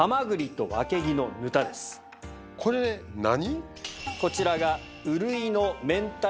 これ何？